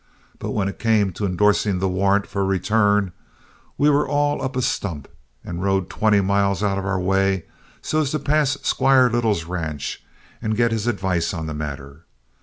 But when it came to indorsing the warrant for return, we were all up a stump, and rode twenty miles out of our way so as to pass Squire Little's ranch and get his advice on the matter.